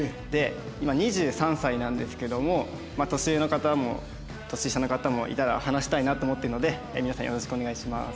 今２３歳なんですけども年上の方も年下の方もいたら話したいなと思ってるので皆さんよろしくお願いします。